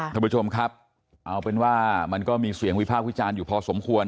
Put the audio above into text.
ท่านผู้ชมครับเอาเป็นว่ามันก็มีเสียงวิพากษ์วิจารณ์อยู่พอสมควร